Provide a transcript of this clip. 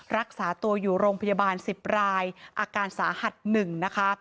รักษาตัวอยู่โรงพยาบาล๑๐รายอาการสาหัส๑นะคะ